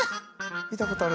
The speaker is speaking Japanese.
見たことある！